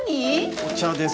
お茶です。